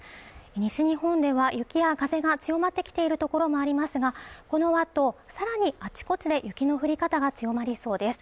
西日本では雪や風が強まってきているところもありますがこのあとさらにあちこちで雪の降り方が強まりそうです